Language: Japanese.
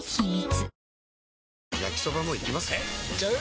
えいっちゃう？